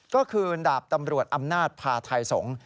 ก็คือดาบตำรวจอำนาจพาไทยสงฆ์